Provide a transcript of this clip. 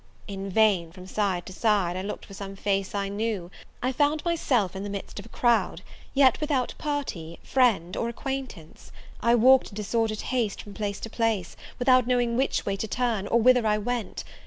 In vain, from side to side, I looked for some face I knew; I found myself in the midst of a crowd, yet without party, friend, or acquaintance. I walked in disordered haste from place to place, without knowing which way to turn, or whither I went.